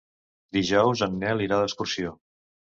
Dijous en Nel irà d'excursió.